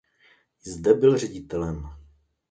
I zde byl ředitelem.